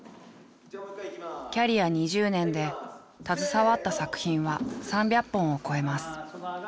キャリア２０年で携わった作品は３００本を超えます。